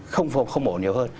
không ổn nhiều hơn